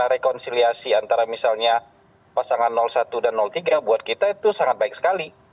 karena rekonsiliasi antara misalnya pasangan satu dan tiga buat kita itu sangat baik sekali